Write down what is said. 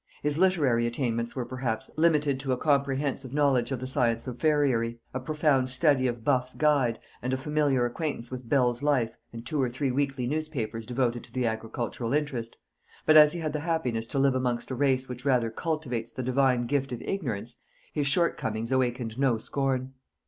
His literary attainments were, perhaps, limited to a comprehensive knowledge of the science of farriery, a profound study of Buff's Guide, and a familiar acquaintance with Bell's Life and two or three weekly newspapers devoted to the agricultural interest; but as he had the happiness to live amongst a race which rather cultivates the divine gift of ignorance, his shortcomings awakened no scorn.